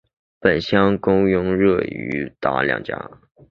本乡的公路客运有台西客运及总达客运两家。